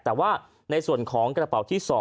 แต่ว่าในส่วนของกระเป๋าที่๒